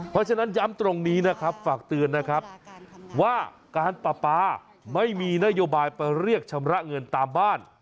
เพราะฉะนั้นย้ำตรงนี้นะครับฝากเตือนนะครับว่าการปลาปลาไม่มีนโยบายไปเรียกชำระเงินตามบ้าน